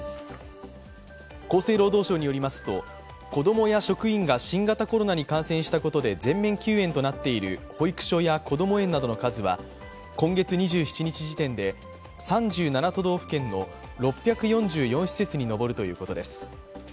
厚生労働省によりますと子供や職員が新型コロナに感染したことで全面休園となっている保育所やこども園などの数は今月２７日時点で３７都道府県の６４４施設に上るということです。